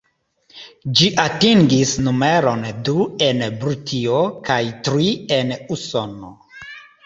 Ĝi atingis numeron du en Britio, kaj tri en Usono.